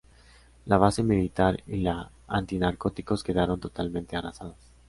La base militar y la Antinarcóticos quedaron totalmente arrasadas.